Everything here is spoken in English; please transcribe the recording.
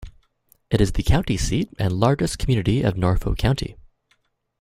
It is the county seat and largest community of Norfolk County.